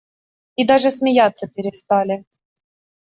И даже смеяться перестали.